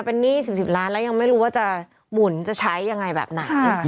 เป็นหนี้๑๐ล้านแล้วยังไม่รู้ว่าจะหมุนจะใช้ยังไงแบบไหน